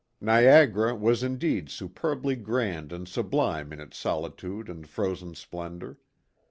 Niagara was indeed superbly grand PLAY AND WORK. 77 and sublime in its solitude and frozen splendor.